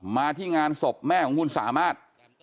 มาที่งานศพแม่ของคุณสามารถ